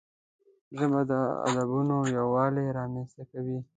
ژبه د ادبونو یووالی رامنځته کوي